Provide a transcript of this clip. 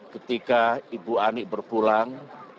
ketika ibu anik berpulang